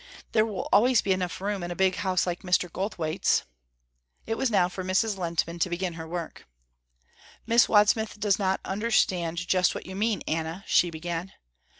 There will always be room enough in a big house like Mr. Goldthwaite's." It was now for Mrs. Lehntman to begin her work. "Miss Wadsmith does not understand just what you mean Anna," she began.